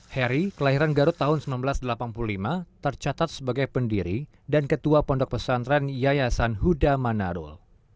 heri kelahiran garut tahun seribu sembilan ratus delapan puluh lima tercatat sebagai pendiri dan ketua pondok pesantren yayasan huda manarul